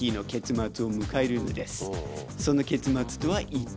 その結末とは一体？